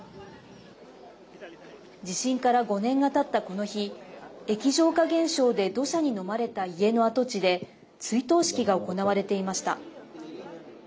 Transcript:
地震から５年がたった、この日液状化現象で土砂にのまれた家の跡地で追悼式が行われていました。